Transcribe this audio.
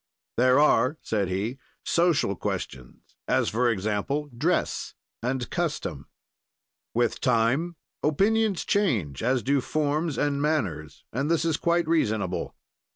"There are," said he, "social questions, as, for example, dress and custom. "With time, opinions change, as do forms and manners, and this is quite reasonable.